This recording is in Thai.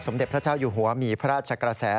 เด็จพระเจ้าอยู่หัวมีพระราชกระแส